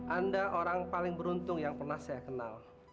anda orang paling beruntung yang pernah saya kenal